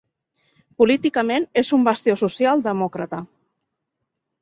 Políticament és un bastió social demòcrata.